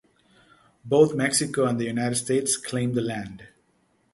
Both Mexico and the United States claimed the land.